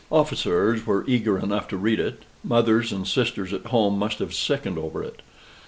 Officers were eager enough to read it; mothers and sisters at home must have sickened over it.